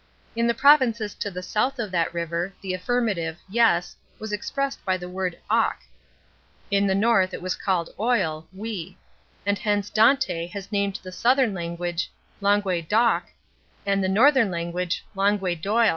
In the provinces to the south of that river the affirmative, YES, was expressed by the word oc; in the north it was called oil (oui); and hence Dante has named the southern language langue d'oc, and the northern langue d'oil.